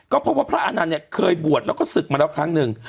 ก็พบว่าพระอานันต์เนี่ยเคยบวชแล้วก็ศึกมาแล้วครั้งหนึ่ง